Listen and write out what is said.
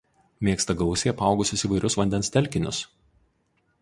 Mėgsta gausiai apaugusius įvairius vandens telkinius.